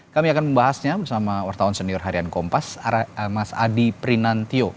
kami akan membahasnya bersama wartawan senior harian kompas mas adi prinantio